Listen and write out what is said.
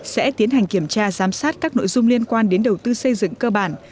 sẽ tiến hành kiểm tra giám sát các nội dung liên quan đến đầu tư xây dựng cơ bản